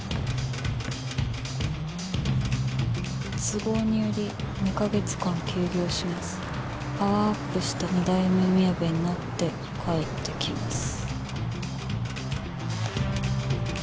「都合により二ヶ月間休業します」「パワーアップした二代目みやべになって帰ってきます！」